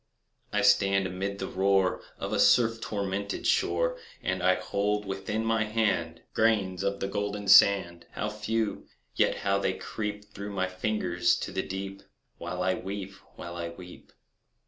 I stand amid the roar Of a surf tormented shore, And I hold within my hand Grains of the golden sand— How few! yet how they creep Through my fingers to the deep, While I weep—while I weep!